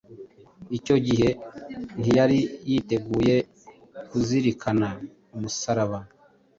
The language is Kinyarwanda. Icyo gihe ntiyari yiteguye kuzirikana umusaraba,